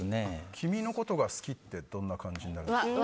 君のことが好きってどんな感じになりますか？